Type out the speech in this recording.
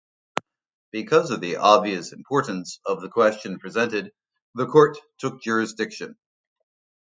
Because of the obvious importance of the question presented, the Court took jurisdiction.